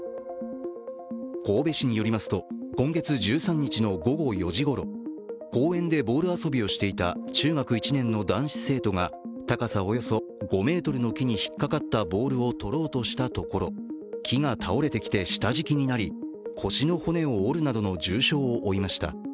神戸市によりますと、今月１３日の午後４時ごろ、公園でボール遊びをしていた中学１年の男子生徒が高さおよそ５ｍの木に引っかかったボールをとろうとしたところ木が倒れてきて下敷きになり、腰の骨を折るなどの重傷を負いました。